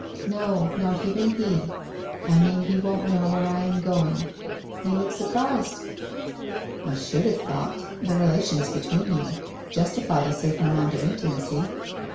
' No, not even he. I mean he won't know where I am going. You look surprised ?' 'I should have thought — the relations between you — justified a certain amount of intimacy.